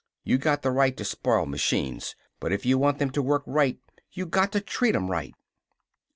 "You got the right to spoil machines! But if you want them to work right you got to treat 'em right!"